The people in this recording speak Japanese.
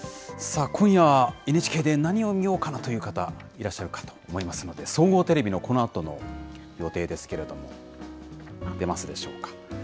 今夜はＮＨＫで何を見ようかな？という方、いらっしゃるかと思いますので、総合テレビのこのあとの予定ですけれども、出ますでしょうか。